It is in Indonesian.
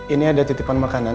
ini ada titipan makanan